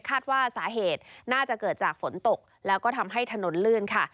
คาดว่าสาเหตุน่าจะเกิดจากฝนตกแล้วก็ทำให้ถนนลื่นค่ะ